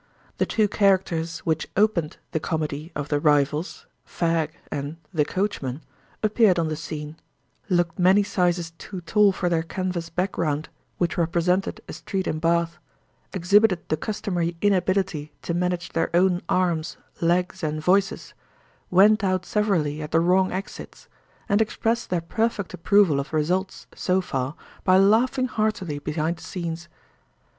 The two characters which opened the comedy of The Rivals, "Fag" and "The Coachman," appeared on the scene—looked many sizes too tall for their canvas background, which represented a "Street in Bath"—exhibited the customary inability to manage their own arms, legs, and voices—went out severally at the wrong exits—and expressed their perfect approval of results, so far, by laughing heartily behind the scenes.